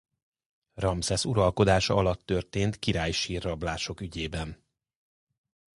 Ramszesz uralkodása alatt történt királysír-rablások ügyében.